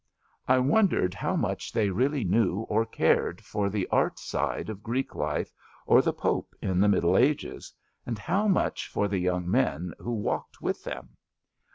I wondered how much they really knew or cared for the art side of Oreek life, or the Pope in the Middle Ages; and how much for the young men who walked with them.